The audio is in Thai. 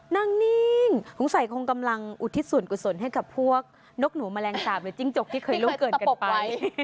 นิ่งสงสัยคงกำลังอุทิศส่วนกุศลให้กับพวกนกหนูแมลงสาบหรือจิ้งจกที่เคยล่วงเกินกันไป